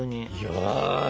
よし。